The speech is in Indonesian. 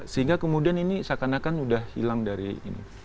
sehingga kemudian ini seakan akan sudah hilang dari ini